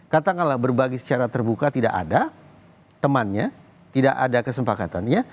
katakanlah berbagi secara terbuka tidak ada temannya tidak ada kesepakatannya